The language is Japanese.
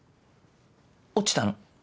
落ちたの。